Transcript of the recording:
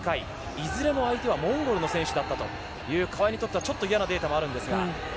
いずれも相手はモンゴルの選手だったという川井にとっては嫌なデータがあります。